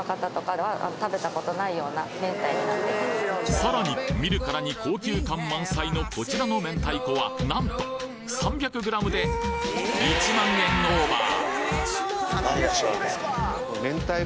さらに見るからに高級感満載のこちらの明太子はなんと３００ｇで１万円オーバー！